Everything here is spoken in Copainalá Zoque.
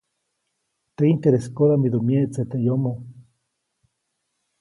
Teʼ ʼintereskoda midu myeʼtse teʼ yomoʼ.